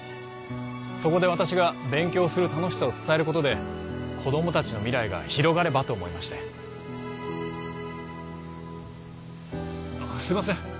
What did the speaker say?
そこで私が勉強をする楽しさを伝えることで子ども達の未来が広がればと思いましてあっすいません